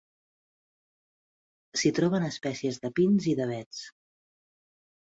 S'hi troben espècies de pins i d'avets.